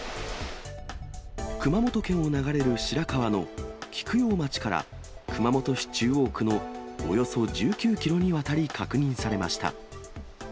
熊本県を流れる白川の菊陽町から、熊本市中央区のおよそ１９キロにわたり確認されました。